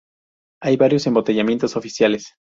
Hay varios embotellamientos oficiales.